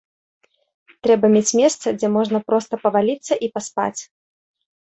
Трэба мець месца, дзе можна проста паваліцца і паспаць.